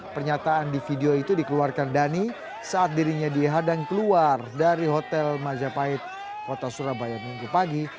pernyataan di video itu dikeluarkan dhani saat dirinya dihadang keluar dari hotel majapahit kota surabaya minggu pagi